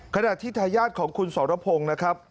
ขณะที่ทายาทของคุณสรพงศ์นะครับ